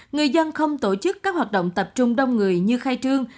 người dân không tổ chức các hoạt động tập trung đông người như khai trương